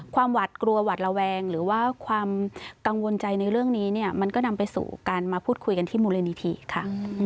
หวัดกลัวหวัดระแวงหรือว่าความกังวลใจในเรื่องนี้เนี่ยมันก็นำไปสู่การมาพูดคุยกันที่มูลนิธิค่ะ